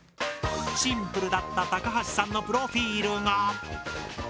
シンプルだった高橋さんのプロフィールが。